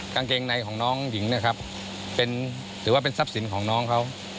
กางเกงในของน้องหญิงเนี่ยครับถือว่าเป็นทรัพย์สินของน้องเขา